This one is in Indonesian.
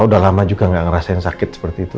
udah lama juga gak ngerasain sakit seperti itu